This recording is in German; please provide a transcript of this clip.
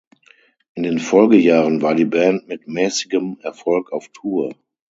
In den Folgejahren war die Band mit mäßigem Erfolg auf Tour.